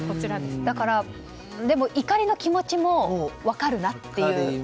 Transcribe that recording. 怒りの気持ちも分かるなっていう。